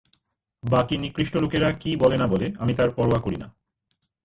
বাকী নিকৃষ্ট লোকেরা কি বলে না বলে, আমি তার পরোয়া করি না।